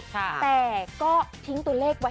แต่ก็ทิ้งตัวเลขไว้